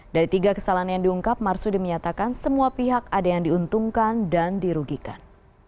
dari tiga kesalahan yang diungkap marsudi menyatakan semua pihak ada yang diuntungkan dan dirugikan